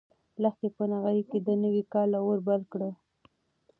لښتې په نغري کې د نوي کال اور بل کړ.